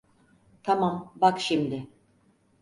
Tamam, bak şimdi.